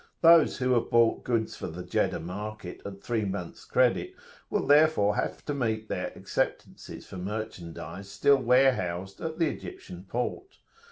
Those who have bought goods for the Jeddah market at three months' credit will therefore have to meet their acceptances for merchandise still warehoused at the Egyptian port.